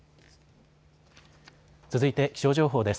続いて気象情報です。